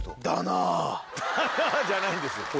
「だな」じゃないんです。